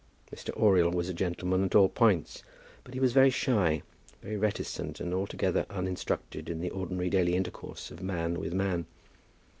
Mr. Oriel was a gentleman at all points; but he was very shy, very reticent, and altogether uninstructed in the ordinary daily intercourse of man with man.